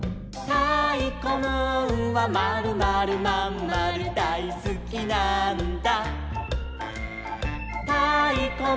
「たいこムーンはまるまるまんまるさがしにきたのさ」